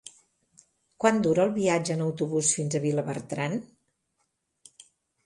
Quant dura el viatge en autobús fins a Vilabertran?